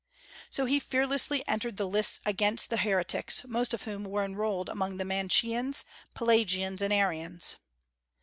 So he fearlessly entered the lists against the heretics, most of whom were enrolled among the Manicheans, Pelagians, and Arians.